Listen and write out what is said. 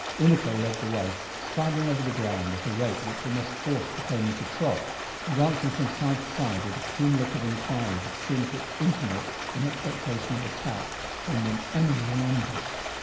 Unaco led the way, striding over the ground at a rate which almost forced the pony to trot, and glancing from side to side with a keen look of inquiry that seemed to intimate an expectation of attack from an enemy in ambush.